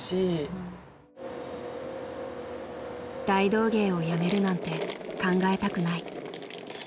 ［大道芸を辞めるなんて考えたくない］